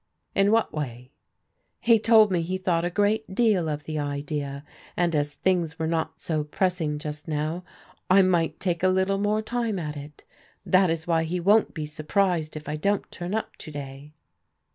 " In what way ?"" He told me he thought a great deal of the idea, and as things were not so pressing just now, I might take a little more time at it. That is why he won't be sur prised if I don't turn up to day."